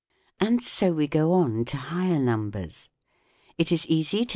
And so we go on to higher numbers : it is easy to FIG.